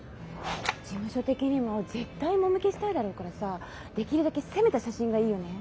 事務所的にも絶対もみ消したいだろうからさできるだけ攻めた写真がいいよね？